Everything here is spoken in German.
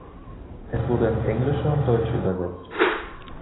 Es wurde ins Englische und Deutsche übersetzt.